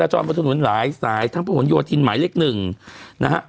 เราที่ถูกหนุนหลายสายทางผู้ผู้หลวงโยทิน